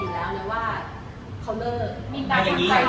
อยู่แล้วนะว่าเขาเลิก